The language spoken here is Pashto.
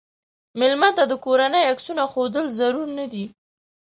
مېلمه ته د کورنۍ عکسونه ښودل ضرور نه دي.